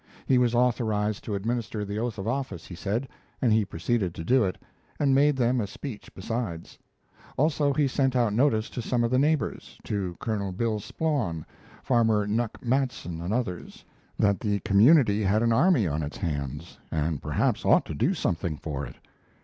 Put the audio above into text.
He was authorized to administer the oath of office, he said, and he proceeded to do it, and made them a speech besides; also he sent out notice to some of the neighbors to Col. Bill Splawn, Farmer Nuck Matson, and others that the community had an army on its hands and perhaps ought to do something for it.